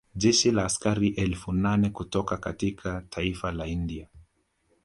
Jeshi la askari elfu nane kutoka katika taifa la India